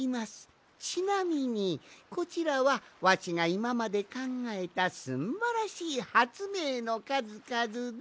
ちなみにこちらはわしがいままでかんがえたすんばらしいはつめいのかずかずで。